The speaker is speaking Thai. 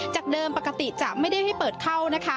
จากเดิมปกติจะไม่ได้ให้เปิดเข้านะคะ